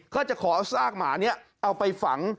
ก็จะขอเอาซากหมานี้เอาไปฝัง